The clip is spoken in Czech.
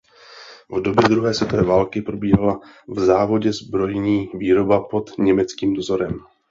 V době druhé světové války probíhala v závodě zbrojní výroba pod německým dozorem.